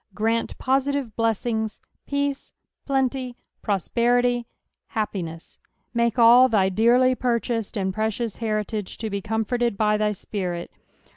Grant positive blessing peace, plenty, prosperity, happiness ; make all thy dearly purchased and precious heritage to be comforted Xthy Spirit.